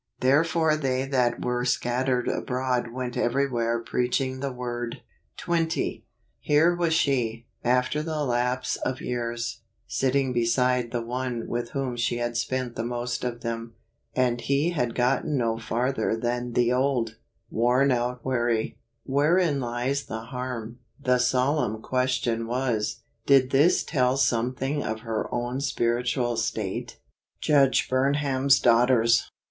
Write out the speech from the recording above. " Therefore they that were scattered abroad went everywhere preaching the word" 92 AUGUST. 20. "Here was she, after the lapse of years, sitting beside the one with whom she had spent the most of them, and he had gotten no farther than the old, worn out query :" Wherein lies the harm ? 99 The solemn question was, Did this tell some¬ thing of her own spiritual state ? Judge Burnham's Daughters.